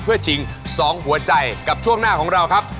เพื่อชิง๒หัวใจกับช่วงหน้าของเราครับ